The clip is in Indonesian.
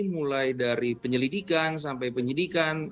mulai dari penyelidikan sampai penyidikan